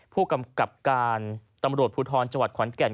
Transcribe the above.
ผู้กำกับการตำรวจภูทรจังหวัดขอนแก่น